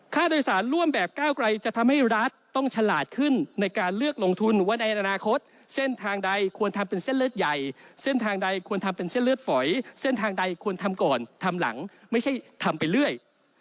ค่าโดยสารร่วมแบบก้าวไกลจะทำให้รัฐต้องฉลาดขึ้นในการเลือกลงทุนว่าในอนาคตเส้นทางใดควรทำเป็นเส้นเลือดใหญ่เส้นทางใดควรทำเป็นเส้นเลือดฝอยเส้นทางใดควรทำก่อนทำหลังไม่ใช่ทำไปเรื่อย